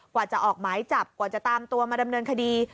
กว่าจะออกหมายจับกว่าจะตามตัวมาดำเนินคดี